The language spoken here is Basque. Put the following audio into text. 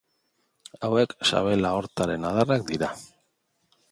Hauek sabel aortaren adarrak dira.